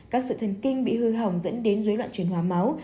các sự thần kinh bị hư hỏng dẫn đến dưới loại chuyển hóa máu